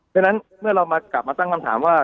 ฉะนั้นเมื่อเรากลับมาตั้งคำถามว่า